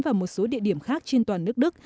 và một số địa điểm khác trên toàn nước đức